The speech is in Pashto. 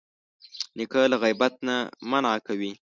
نیکه له غیبت نه منع کوي.